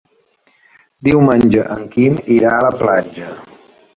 Diumenge en Quim irà a la platja.